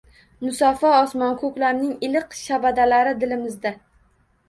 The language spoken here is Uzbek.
Musaffo osmon, koʻklamning iliq shabadalari dilimizda